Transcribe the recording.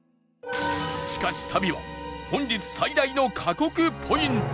しかし旅は本日最大の過酷ポイントへ